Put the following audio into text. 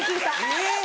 えっ！